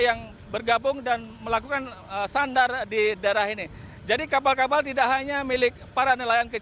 yang bergabung dan melakukan penelitian